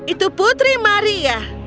itu putri maria